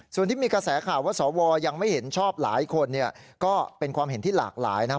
ส่วนที่มีกระแสข่าวว่าสวยังไม่เห็นชอบหลายคนเนี่ยก็เป็นความเห็นที่หลากหลายนะครับ